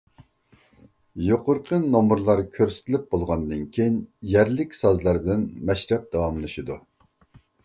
يۇقىرىقى نومۇرلار كۆرسىتىلىپ بولغاندىن كېيىن يەرلىك سازلار بىلەن مەشرەپ داۋاملىشىدۇ.